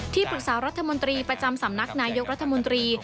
ปรึกษารัฐมนตรีประจำสำนักนายกรัฐมนตรี